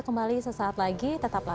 tadi peserta lebih